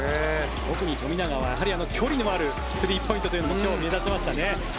特に富永は距離のあるスリーポイントも目立ちましたね。